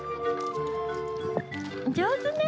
上手ね。